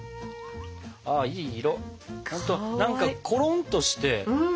いい色何かコロンとして。